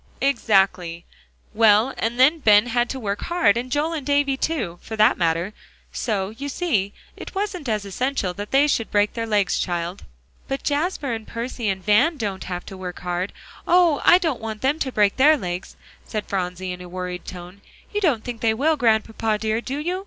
"Exactly; well, and then Ben had to work hard, and Joel and Davie too, for that matter. So, you see, it wasn't as essential that they should break their legs, child." "But Jasper and Percy and Van don't have to work hard; oh! I don't want them to break their legs," said Phronsie, in a worried tone. "You don't think they will, Grandpapa dear, do you?